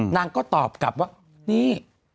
นางก็ตอบกลับว่านี่